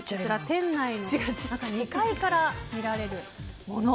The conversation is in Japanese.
店内の２階から見られるもの。